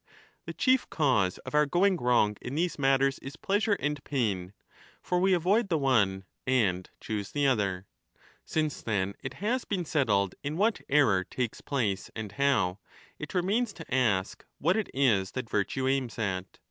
The chief cause of our going wrong in these matters is pleasure and pain ; for we avoid the one and choose the other. Since, then, it has been settled in what error takes place and how, it remains to ask what it is that virtue aims at.